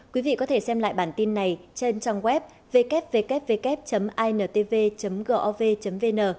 quý vị có thể xem lại bản tin này trên trang web www intv gov vn